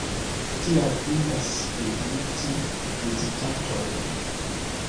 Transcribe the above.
Tial indas inviti vizitantojn.